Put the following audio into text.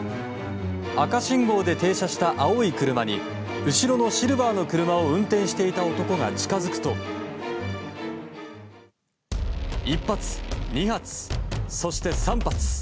赤信号で停車した青い車に後ろのシルバーの車を運転していた男が近づくと１発、２発、そして３発。